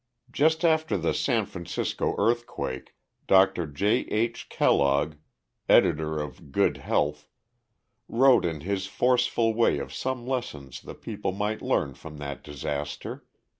Just after the San Francisco earthquake, Dr. J. H. Kellogg, editor of Good Health, wrote in his forceful way of some lessons the people might learn from that disaster.